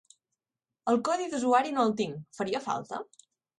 El codi d'usuari no el tinc, faria falta?